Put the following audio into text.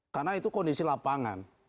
karena itu kondisi lapangan